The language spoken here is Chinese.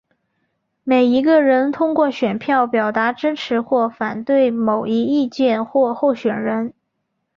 每一个人通过选票表达支持或反对某一意见或候选人。